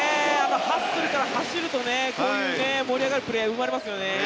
ハッスルから走るとねこういう盛り上がるプレーが生まれますよね。